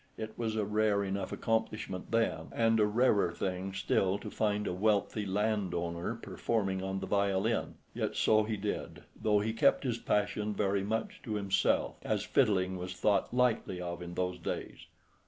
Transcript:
It was a rare enough accomplishment then, and a rarer thing still to find a wealthy landowner performing on the violin. Yet so he did, though he kept his passion very much to himself, as fiddling was thought lightly of in those days.